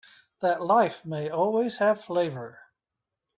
That life may always have flavor.